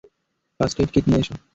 First aid kit নিয়ে এসো।